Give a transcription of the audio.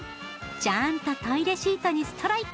ちゃんとトイレシートにストライク。